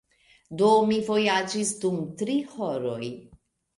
Do, mi vojaĝis dum tri horoj.